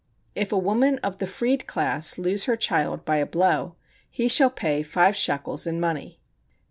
If a woman of the freed class lose her child by a blow, he shall pay five shekels in money.